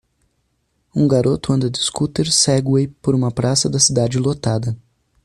Um garoto anda de scooter Segway por uma praça da cidade lotada.